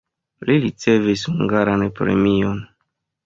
Li ricevis hungaran premion.